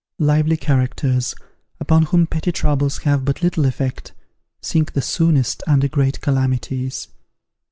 Lively characters, upon whom petty troubles have but little effect, sink the soonest under great calamities.